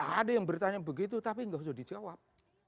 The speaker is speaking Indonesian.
ada yang bertanya begitu tapi nggak usah dijawab